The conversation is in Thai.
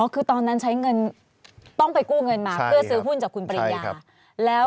คือตอนนั้นใช้เงินต้องไปกู้เงินมาเพื่อซื้อหุ้นจากคุณปริญญา